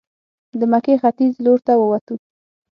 د مکې ختیځ لورته ووتو.